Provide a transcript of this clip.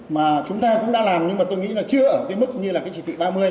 mà chúng ta cũng đã làm nhưng mà tôi nghĩ là chưa ở cái mức như là cái chỉ thị ba mươi